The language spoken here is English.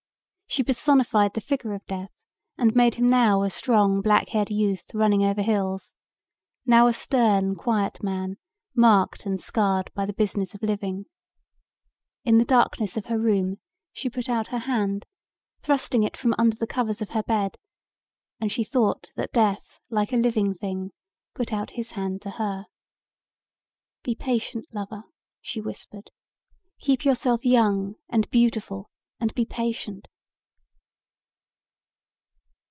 She personified the figure of death and made him now a strong black haired youth running over hills, now a stern quiet man marked and scarred by the business of living. In the darkness of her room she put out her hand, thrusting it from under the covers of her bed, and she thought that death like a living thing put out his hand to her. "Be patient, lover," she whispered. "Keep yourself young and beautiful and be patient."